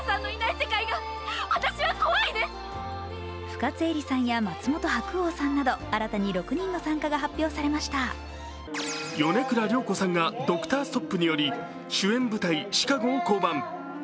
深津絵里さんや松本白鸚さんなど新たに６人の参加が発表されました米倉涼子さんがドクターストップにより主演舞台「ＣＨＩＣＡＧＯ」を降板。